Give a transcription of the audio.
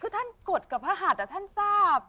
คือท่านกดกับพระหัสท่านทราบ